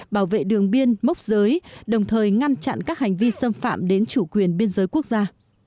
bảo vệ đường biên mốc giới đồng thời ngăn chặn các hành vi xâm phạm đến chủ quyền biên giới quốc gia